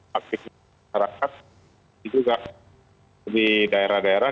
aktivitas masyarakat juga di daerah daerah